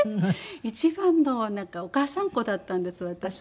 一番のお母さんっ子だったんです私。